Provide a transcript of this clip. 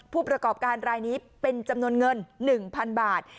ผู้ประกอบการรายนี้เป็นจำนวนเงิน๑๐๐๐บาท